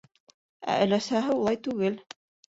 Ә өләсәһе улай түгел.